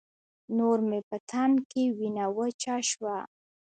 نور مې په تن کې وينه وچه شوه.